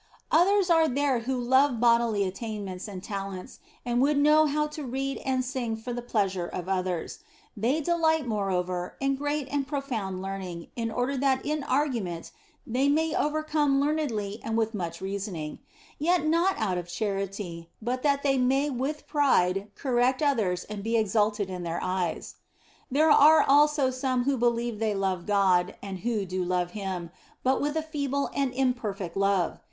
Others are there who love bodily attainments and talents, and would know how to read and sing for the pleasure of others. They delight, moreover, in great and profound learning, in order that in argument they may overcome learnedly and with much reasoning ; yet not out of charity, but that they may with pride correct others and be exalted in their eyes. There are also some who believe they love God, and who do love Him, but with a feeble and imperfect love.